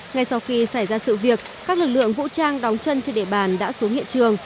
ngay sau khi xảy ra sự việc các lực lượng vũ trang đóng chân trên địa bàn đã xuống hiện trường